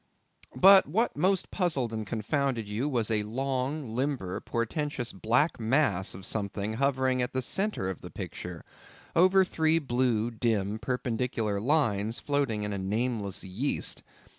But what most puzzled and confounded you was a long, limber, portentous, black mass of something hovering in the centre of the picture over three blue, dim, perpendicular lines floating in a nameless yeast.